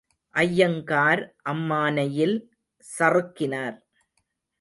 ஐயங்கார் அம்மானையில் சறுக்கினார்.